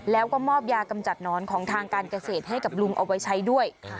แล้วก็มอบยากำจัดหนอนของทางการเกษตรให้กับลุงเอาไว้ใช้ด้วย